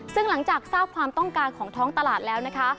ซึ่งหลังจากทราบความต้องการของท้องตลาดแล้วนะคะ